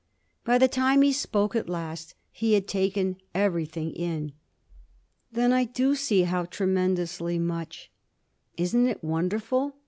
By the time he spoke at last he had taken everything in. 'Then I do see how tremendously much.' 'Isn't it wonderful?'